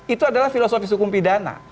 itu adalah filosofis hukum pidana